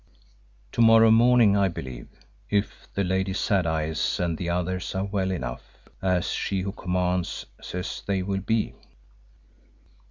"To morrow morning, I believe, if the Lady Sad Eyes and the others are well enough, as She who commands says they will be."